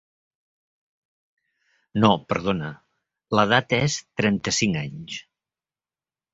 No, perdona: l'edat és trenta-cinc anys.